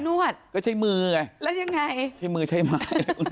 วดก็ใช้มือไงแล้วยังไงใช้มือใช้ไม้